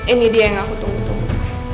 ini dia yang aku tunggu tunggu